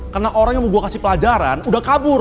karena orang yang mau gua kasih pelajaran udah kabur